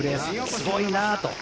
すごいなと。